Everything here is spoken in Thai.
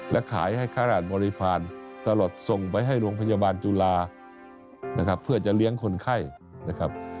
และขายให้ข้าราชบริพาณตลอดส่งไปให้โรงพยาบาลจุฬานะครับเพื่อจะเลี้ยงคนไข้นะครับ